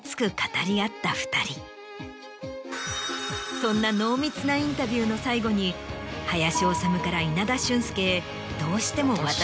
そんな濃密なインタビューの最後に林修から稲田俊輔へどうしても。